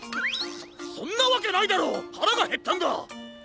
そそんなわけないだろ！はらがへったんだ！